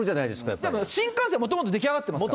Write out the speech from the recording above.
でも新幹線、もともと出来上がってますから。